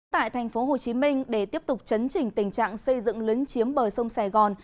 tại thành phố hồ chí minh để tiếp tục chấn trình tình trạng xây dựng lấn chiếm bờ sông sài gòn